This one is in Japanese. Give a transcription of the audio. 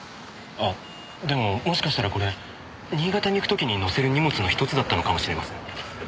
あでももしかしたらこれ新潟に行く時に載せる荷物のひとつだったのかもしれません。